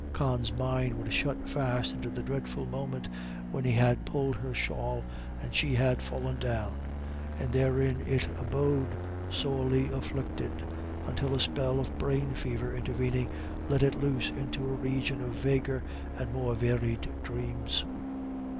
Con's mind was shut fast into the dreadful moment when he had pulled her shawl and she had fallen down, and therein it abode, sorely afflicted, until a spell of brain fever intervening let it loose into a region of vaguer and more varied dreams.